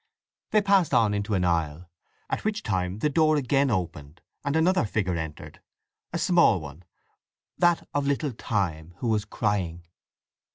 They passed on into an aisle, at which time the door again opened, and another figure entered—a small one, that of little Time, who was crying.